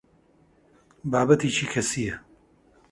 بابەتێکی کەسییە.